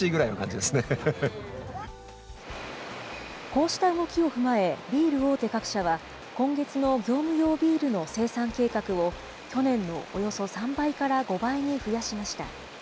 こうした動きを踏まえ、ビール大手各社は今月の業務用ビールの生産計画を、去年のおよそ３倍から５倍に増やしました。